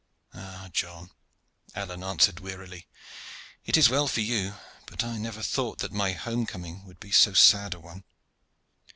"Ah, John," Alleyne answered wearily, "it is well for you, but I never thought that my home coming would be so sad a one.